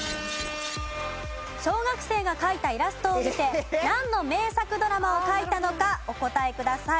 小学生が描いたイラストを見てなんの名作ドラマを描いたのかお答えください。